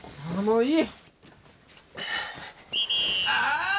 ああ！